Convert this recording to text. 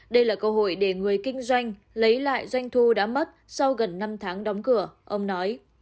đây là cơ hội để người kinh doanh lấy lại doanh thu đã mất sau gần năm tháng đóng cửa ông nói